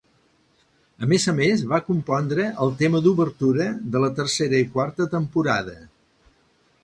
A més a més, va compondre el tema d'obertura de la tercera i quarta temporada.